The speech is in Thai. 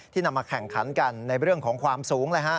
นำมาแข่งขันกันในเรื่องของความสูง